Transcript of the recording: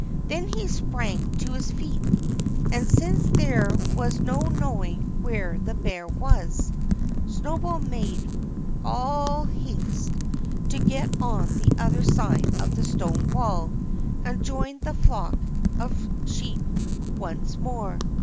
Then he sprang to his feet. And since there was no knowing where the bear was, Snowball made all haste to get on the other side of the stone wall and join the flock of sheep once more.